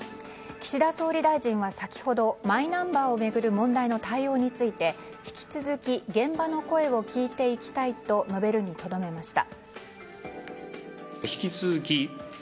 岸田総理大臣は先ほどマイナンバーを巡る問題の対応について引き続き現場の声を聞いていきたいと述べるにとどめました。